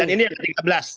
ya dan ini ada tiga belas